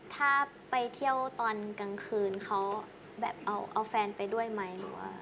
ถ้าไปเที่ยวตอนกลางคืนเขาแบบเอาแฟนไปด้วยไหมหรือว่า